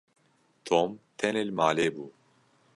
Tom tenê li malê bû.